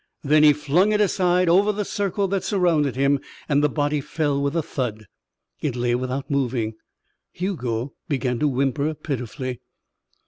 Then he flung it aside, over the circle that surrounded him, and the body fell with a thud. It lay without moving. Hugo began to whimper pitifully.